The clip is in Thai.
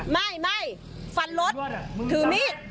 ไม่ไม่ฟันลดถือมีด